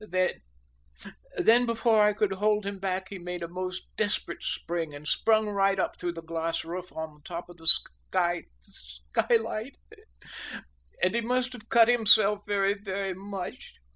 Then then before I could hold him back he made a most desperate spring and sprung right up through the glass roof on the top of the sky skylight, and he must have cut himself very very much.